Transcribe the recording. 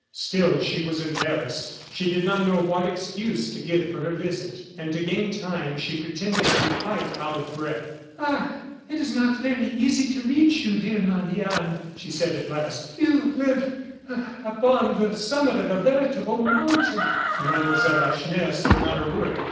Still she was embarrassed; she did not know what excuse to give for her visit, and to gain time she pretended to be quite out of breath. "Ah! it is not very easy to reach you, dear Marie Anne," she said, at last; "you live upon the summit of a veritable mountain." Mlle. Lacheneur said not a word.